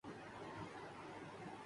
یعنی جو شخص ان کے گھر چلا جائے